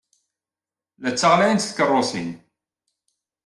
La ttaɣlayent tkeṛṛusin.